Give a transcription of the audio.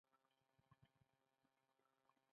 په ارغنداو کې تر مازیګره مېله وکړه.